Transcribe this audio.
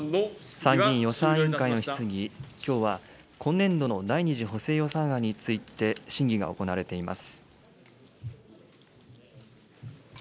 参議院予算委員会の質疑、きょうは今年度の第２次補正予算について審議が行われています。